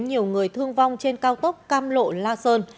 nhiều người thương vong trên cao tốc cam lộ la sơn